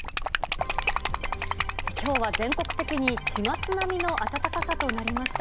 きょうは全国的に４月並みの暖かさとなりました。